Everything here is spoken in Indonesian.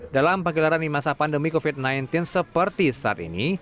dalam pagelaran di masa pandemi covid sembilan belas seperti saat ini